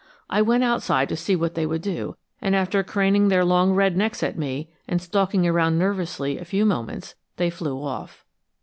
I went outside to see what they would do, and after craning their long red necks at me and stalking around nervously a few moments they flew off.